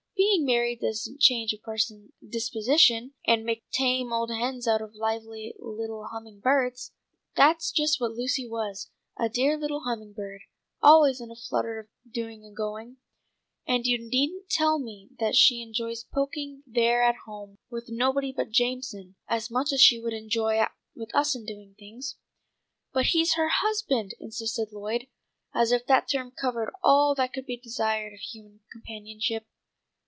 "Being married doesn't change a person's disposition and make tame old hens out of lively little humming birds. That's just what Lucy was, a dear little humming bird, always in a flutter of doing and going; and you needn't tell me that she enjoys poking there at home with nobody but Jameson, as much as she would enjoy going out with us and doing things." "But he's her husband!" insisted Lloyd, as if that term covered all that could be desired of human companionship.